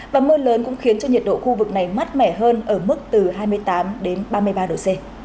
và mưa lớn cũng khiến cho nhiệt độ khu vực này mát mẻ hơn ở mức từ hai mươi tám đến ba mươi ba độ c